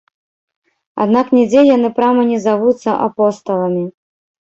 Аднак нідзе яны прама не завуцца апосталамі.